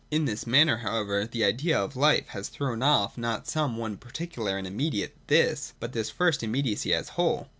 222.] In this manner however the idea of life has thrown off not some one particular and immediate ' This,' but this first immediacy as a whole.